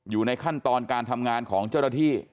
อยู่ในขั้นตอนการทำงานของเจ้าหน้าที่